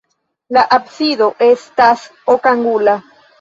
La absido estas okangula.